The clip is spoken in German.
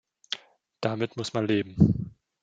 Damit muss man leben.